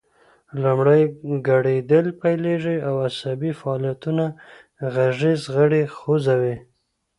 لومړی ګړیدل پیلیږي او عصبي فعالیتونه غږیز غړي خوځوي